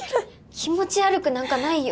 気持ち悪くなんかないよ。